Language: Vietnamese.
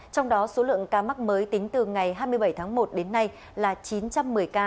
trong đó số lượng ca mắc mới tính từ ngày hai mươi bảy tháng một đến nay là chín trăm một mươi ca